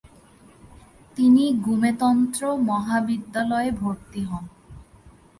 তিনি গ্যুমে তন্ত্র মহাবিদ্যালয়ে ভর্তি হন।